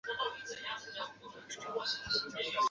京奈和自动车道。